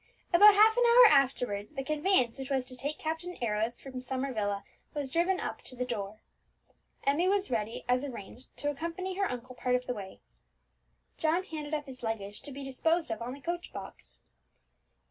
About half an hour afterwards the conveyance which was to take Captain Arrows from Summer Villa was driven up to the door. Emmie was ready, as arranged, to accompany her uncle part of the way. John handed up his luggage to be disposed of on the coach box.